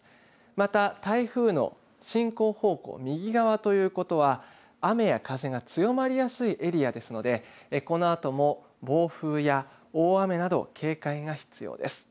また、台風の進行方向右側ということは雨や風が強まりやすいエリアですのでこのあとも暴風や大雨など警戒が必要です。